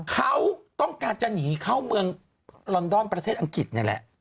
เขาต้องการจะหนีเข้าเมืองลอนดอนประเทศอังกฤษนี่แหละ